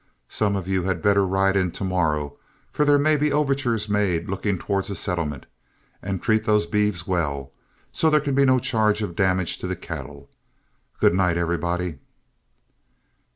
Some of you had better ride in to morrow, for there may be overtures made looking towards a settlement; and treat those beeves well, so that there can be no charge of damage to the cattle. Good night, everybody."